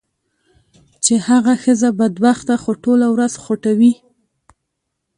چې هغه ښځه بدبخته خو ټوله ورځ خوټوي.